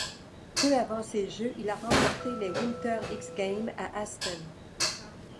Peu avant ces Jeux, il a remporté les Winter X Games à Aspen.